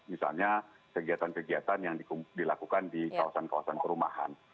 misalnya kegiatan kegiatan yang dilakukan di kawasan kawasan perumahan